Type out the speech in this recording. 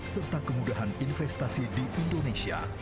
serta kemudahan investasi di indonesia